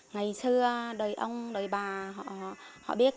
ngày xưa đời ông đời bà họ biết